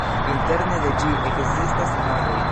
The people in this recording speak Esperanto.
Interne de ĝi ekzistas imagoj.